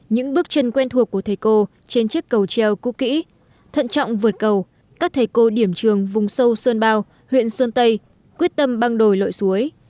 những bước chân quen thuộc của thầy cô trên chiếc cầu treo cú kỹ thận trọng vượt cầu các thầy cô điểm trường vùng sâu sơn bao huyện sơn tây quyết tâm băng đồi lội suối